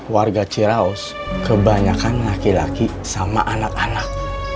warga ciraus kebanyakan laki laki sama anak anak